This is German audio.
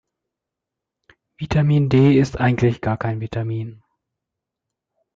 Vitamin D ist eigentlich gar kein Vitamin.